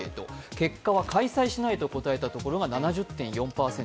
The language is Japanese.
結果は開催しないと答えたところが７０．４％。